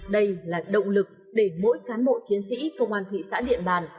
đây là động lực để mỗi cán bộ chiến sĩ công an thị xã điện bàn